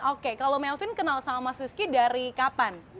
oke kalo melvin kenal sama mas risky dari kapan